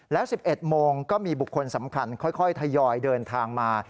แล้ว๑๑โมงก็มีบุคคลสำคัญค่อยทยอยเดินทางมา